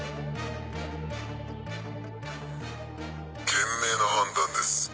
賢明な判断です。